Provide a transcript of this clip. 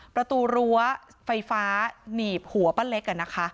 ประตูรั้วไฟฟ้าหนีบหัวป้าเล็ก